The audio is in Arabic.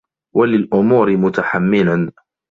وَلِلْأُمُورِ مُتَحَمِّلًا